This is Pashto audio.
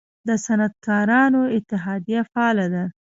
د صنعتکارانو اتحادیه فعال ده؟